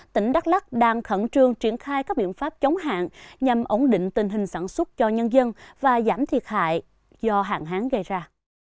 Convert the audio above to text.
tỉnh đắk lắc đang khẩn trương triển khai các biện pháp chống hạn nhằm ổn định tình hình sản xuất cho nhân dân và giảm thiệt hại do hạn hán gây ra